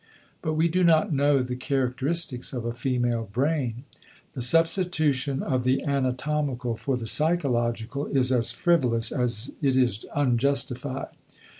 But we do not know the characteristics of a "female brain." The substitution of the anatomical for the psychological is as frivolous as it is unjustified.